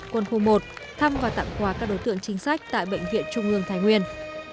quân khu một thăm và tặng quà các đối tượng chính sách tại bệnh viện trung ương thái nguyên